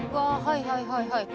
はいはいはいはい。